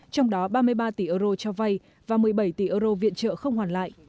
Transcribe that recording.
trong đó ba mươi ba tỷ euro cho vay và một mươi bảy tỷ euro viện trợ không hoàn lại